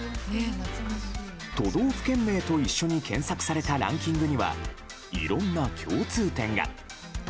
都道府県名と一緒に検索されたランキングにはいろいろな共通点が。